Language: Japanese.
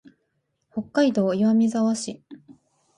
北海道岩見沢市